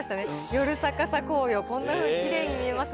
夜逆さ紅葉、こんなふうにきれいに見えます。